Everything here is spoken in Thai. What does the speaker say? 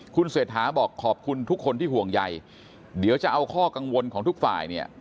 คุณเศรษฐาบอกขอบคุณทุกคนที่ห่วงใยเดี๋ยวจะเอาข้อกังวลของทุกฝ่ายเนี่ย